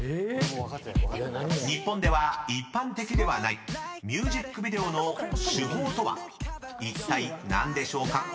［日本では一般的ではないミュージックビデオの手法とはいったい何でしょうか？］